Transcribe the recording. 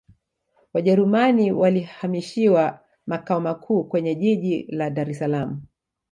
wajerumani walihamishiwa makao makuu kwenye jiji la dar es salaam